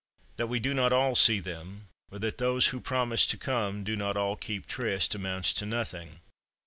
That we do not all see them, or that those who promise to come do not all keep tryst, amounts to nothing.